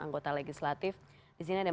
anggota legislatif di sini ada